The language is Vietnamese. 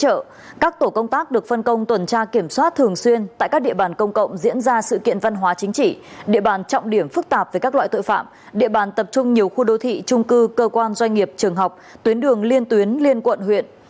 công an quận nam từ liêm tp hà nội đã tổ chức lễ gia quân tuần tra kiểm soát thường xuyên tại các địa bàn công cộng diễn ra sự kiện văn hóa chính trị địa bàn trọng điểm phức tạp về các loại tội phạm địa bàn tập trung nhiều khu đô thị trung cư cơ quan doanh nghiệp trường học tuyến đường liên tuyến liên quận huyện